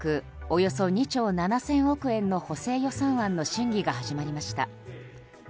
およそ２兆７０００億円の補正予算案の審議が始まりました。